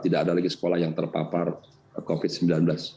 tidak ada lagi sekolah yang terpapar covid sembilan belas